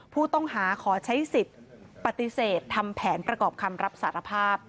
ผู้ต้องหาขอใช้สิทธิ์ปฏิเสธทำแผนประกอบคำรับสารภาพ